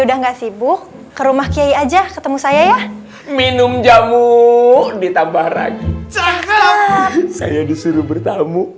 udah nggak sibuk ke rumah kiai aja ketemu saya ya minum jamu di tabaran saya disuruh bertamu